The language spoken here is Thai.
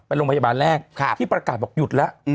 เป็นโรงพยาบาลแรกที่ประกาศบอกหยุดแล้ว